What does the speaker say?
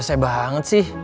rasanya banget sih